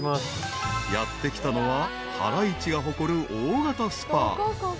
［やって来たのは原市が誇る大型スパ］